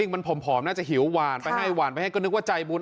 มันมาทั้งไหนด้วย